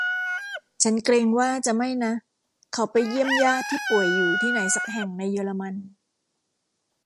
ฉันเกรงว่าจะไม่นะ เขาไปเยี่ยมญาติที่ป่วยอยู่ที่ไหนสักแห่งในเยอรมัน